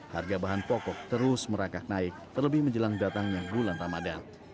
harga bahan pokok terus merangkak naik terlebih menjelang datangnya bulan ramadan